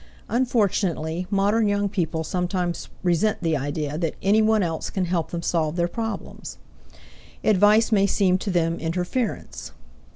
Unfortunately, modern young people sometimes resent the idea that any one else can help them solve their problems. Advice may seem to them interference.